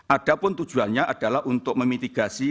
adapun tujuannya adalah untuk memitigasi